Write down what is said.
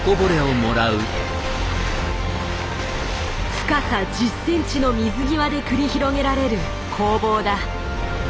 深さ１０センチの水際で繰り広げられる攻防だ。